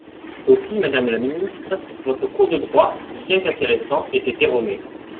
Aussi, madame la ministre, votre cours de droit, bien qu’intéressant, était erroné.